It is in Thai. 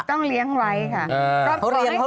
ต้องเลี้ยงไว้ค่ะ